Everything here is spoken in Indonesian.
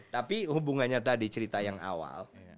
tapi hubungannya tadi cerita yang awal